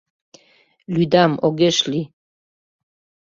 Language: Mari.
— Лӱдам, огеш лий.